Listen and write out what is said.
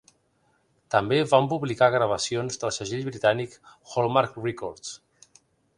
També van publicar gravacions del segell britànic Hallmark Records.